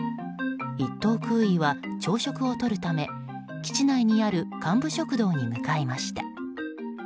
１等空尉は朝食をとるため基地内にある幹部食堂に向かいました。